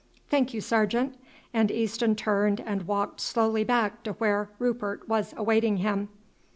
"Thank you, sergeant;" and Easton turned and walked slowly back to where Rupert was awaiting him.